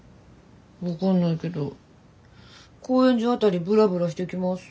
分かんないけど高円寺辺りぶらぶらしてきます。